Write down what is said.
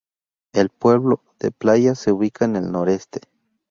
El pueblo de Playas se ubica en el noreste.